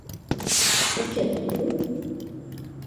Йӱкетым пу...